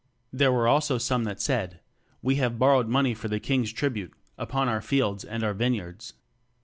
There were some also that said, We have borrowed money for the king's tribute upon our fields and our vineyards.